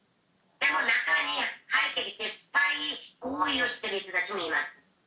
でも中に入ってきて、スパイ行為をしている人たちもいます。